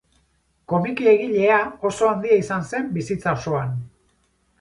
Komiki egilea oso handia izan zen bizitza osoan.